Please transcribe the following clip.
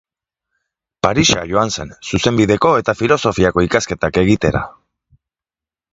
Parisa joan zen Zuzenbideko eta Filosofiako ikasketak egitera.